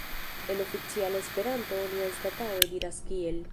En oficiala Esperanto oni anstataŭe diras "kiel".